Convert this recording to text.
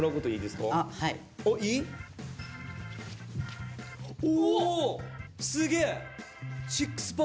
すげえ！